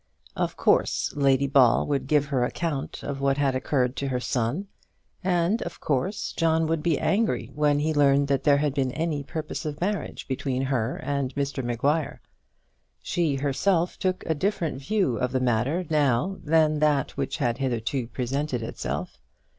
Of course Lady Ball would give her account of what had occurred to her son, and of course John would be angry when he learned that there had been any purpose of marriage between her and Mr Maguire. She herself took a different view of the matter now than that which had hitherto presented itself.